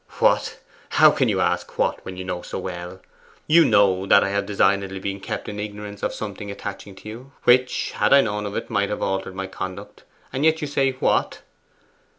'What? How can you ask what, when you know so well? You KNOW that I have designedly been kept in ignorance of something attaching to you, which, had I known of it, might have altered all my conduct; and yet you say, what?